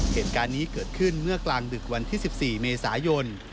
เหตุการณ์นี้เกิดขึ้นเมื่อกลางดึกวันที่๑๔เมษายน